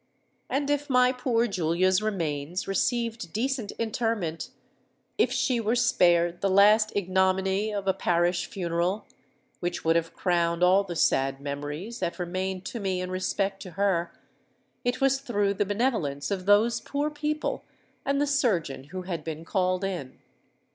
And if my poor Julia's remains received decent interment,—if she were spared the last ignominy of a parish funeral, which would have crowned all the sad memories that remained to me in respect to her,—it was through the benevolence of those poor people and the surgeon who had been called in.